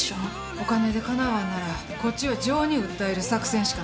お金でかなわんならこっちは情に訴える作戦しかない。